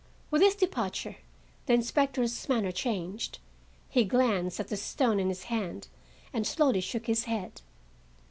With his departure the inspector's manner changed. He glanced at the stone in his hand, and slowly shook his head.